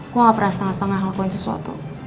gue gak pernah setengah setengah ngelakuin sesuatu